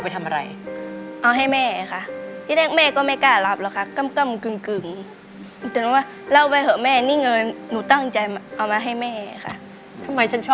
ทำไมฉันชอบเธอจำด้วยกัน